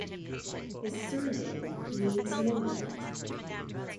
His surname means "midnight".